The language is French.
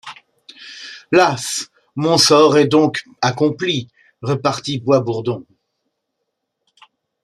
Las! mon sort est doncques accomply, repartit Bois-Bourredon.